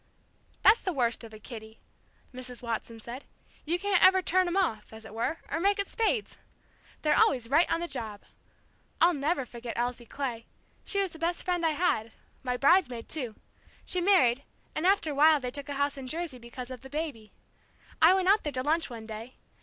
"That's the worst of a kiddie," Mrs. Watson said. "You can't ever turn 'em off, as it were, or make it spades! They're always right on the job. I'll never forget Elsie Clay. She was the best friend I had, my bridesmaid, too. She married, and after a while they took a house in Jersey because of the baby. I went out there to lunch one day.